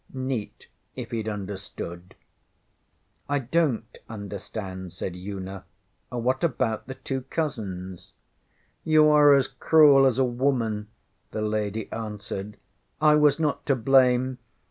ŌĆØ Neat, if heŌĆÖd understood! ŌĆÖ ŌĆśI donŌĆÖt understand, ŌĆÖ said Una. ŌĆśWhat about the two cousins? ŌĆÖ ŌĆśYou are as cruel as a woman, ŌĆÖ the lady answered. ŌĆśI was not to blame.